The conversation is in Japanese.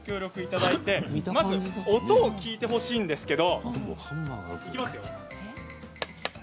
音を聞いてほしいんですけれど。